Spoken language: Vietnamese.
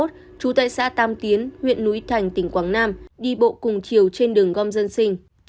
trú tại xã tam tiến huyện núi thành tỉnh quảng nam đi bộ cùng chiều trên đường gom dân sinh